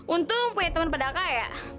untung punya temen pada kaya